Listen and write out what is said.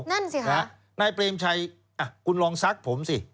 นั่นสิค่ะนายเปรมชัยคุณลองซักผมสิ